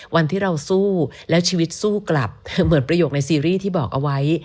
วันที่เราสู้แล้วชีวิตสู้กลับเหมือนประโยคในซีรีส์ที่บอกเอาไว้